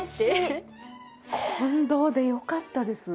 近藤でよかったです。